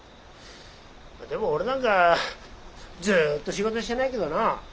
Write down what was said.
でも俺なんかずっと仕事してないけどな。